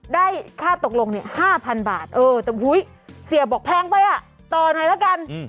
ได้ค่าตกลง๕๐๐๐บาทเออแต่เสียบอกแพงไปอ่ะต่อหน่อยละกัน